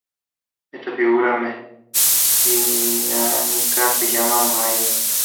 Esta figura mesiánica es llamada Mahdi.